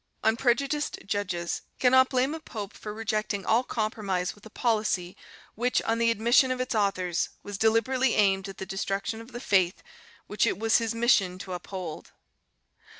Unprejudiced judges cannot blame a pope for rejecting all compromise with a policy which, on the admission of its authors, was deliberately aimed at the destruction of the faith which it was his mission to uphold.